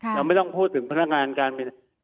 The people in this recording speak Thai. แต่ไม่ต้องพูดถึงพนักงานการเปลี่ยนไทย